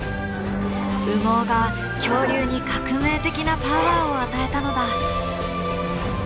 羽毛が恐竜に革命的なパワーを与えたのだ！